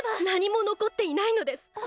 何も残っていないのです！